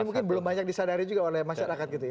tapi mungkin belum banyak disadari juga oleh masyarakat gitu ya